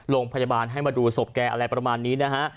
โรงพยาบาลให้มาดูศพแกอะไรประมาณนี้นะฮะ